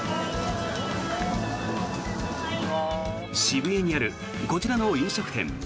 渋谷にあるこちらの飲食店。